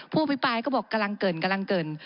ผู้อภิปรายก็บอกกำลังเกินกำลังเกิน